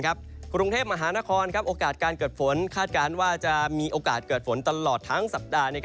กรุงเทพมหานครโอกาสการเกิดฝนคาดการณ์ว่าจะมีโอกาสเกิดฝนตลอดทั้งสัปดาห์